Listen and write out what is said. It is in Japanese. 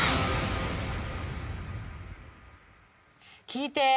聞いて。